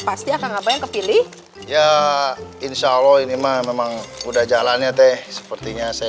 pasti akan apa yang kepilih ya insyaallah ini mah memang udah jalannya teh sepertinya saya